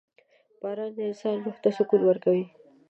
• باران د انسان روح ته سکون ورکوي.